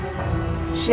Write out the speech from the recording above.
siapa kakek guru